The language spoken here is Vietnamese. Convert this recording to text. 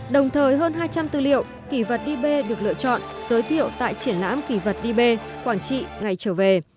đồng thời hơn hai trăm linh tư liệu kỳ vật db được lựa chọn giới thiệu tại triển lãm kỳ vật db quảng trị ngày trở về